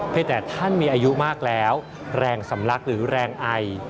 แต่ท่านมีอายุมากแล้วแรงสำลักหรือแรงไอ